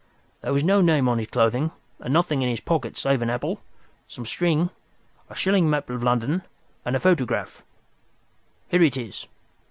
There was no name on his clothing, and nothing in his pockets save an apple, some string, a shilling map of London, and a photograph. Here it is."